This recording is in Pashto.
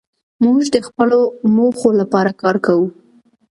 موږ د خپلو موخو لپاره کار کوو.